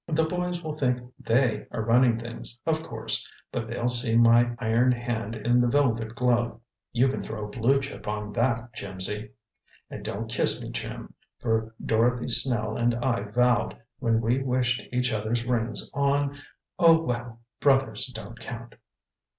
The boys will think they are running things, of course, but they'll see my iron hand in the velvet glove you can throw a blue chip on that, Jimsy. And don't kiss me, Jim, for Dorothy Snell and I vowed, when we wished each other's rings on Oh, well, brothers don't count."